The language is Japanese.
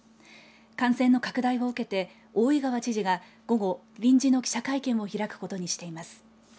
感染の拡大を受けて大井川知事が午後臨時の記者会見を開くことにしています。